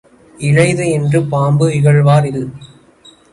இளைது என்று பாம்பு இகழ்வார் இல்.